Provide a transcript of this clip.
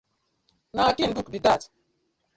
Na Akin book bi dat.